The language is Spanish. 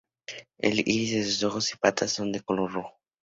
El iris de sus ojos y patas son de color rojo.